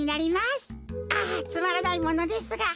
あっつまらないものですが。